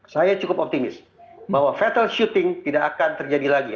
saya cukup optimis bahwa fatal syuting tidak akan terjadi lagi